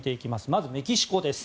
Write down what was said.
まずメキシコです。